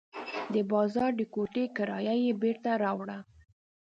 د بازار د کوټې کرایه یې بېرته راوړه.